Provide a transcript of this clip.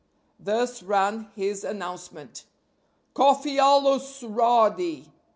Thus ran his announcement, "Cofy allus rady."